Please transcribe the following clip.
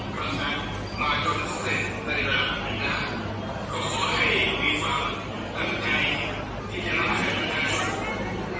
ก็อยากให้ทุกคนที่อย่างน้ำชายเมืองประเทศเมีย